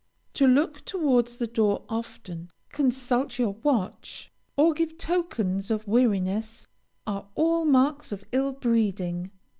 To look towards the door often, consult your watch, or give tokens of weariness, are all marks of ill breeding.